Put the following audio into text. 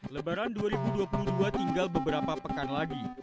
lebaran dua ribu dua puluh dua tinggal beberapa pekan lagi